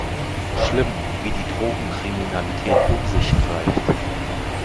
Schlimm, wie die Drogenkriminalität um sich greift!